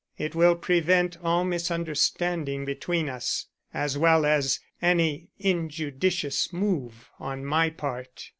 It will prevent all misunderstanding between us, as well as any injudicious move on my part."